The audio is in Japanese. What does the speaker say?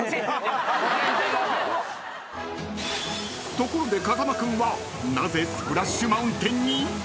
［ところで風間君はなぜスプラッシュ・マウンテンに？］